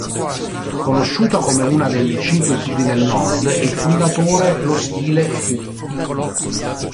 Conosciuto come una delle "Cinque Tigri del Nord", è il fondatore lo stile Fu.